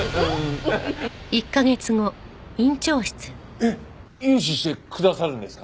えっ融資してくださるんですか？